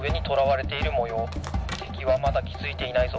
てきはまだきづいていないぞ。